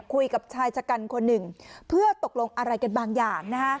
คุยกับชายชะกันคนหนึ่งเพื่อตกลงอะไรกันบางอย่าง